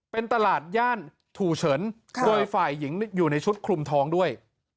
เป็นตลาดย่านถูเฉินโดยฝ่ายหญิงอยู่ในชุดคลุมทองด้วย